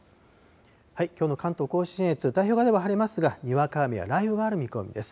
きょうの関東甲信越、太平洋側では晴れますが、にわか雨や雷雨がある見込みです。